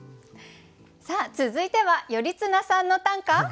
さあ続いては頼綱さんの短歌。